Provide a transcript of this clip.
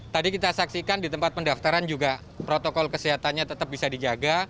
tadi kita saksikan di tempat pendaftaran juga protokol kesehatannya tetap bisa dijaga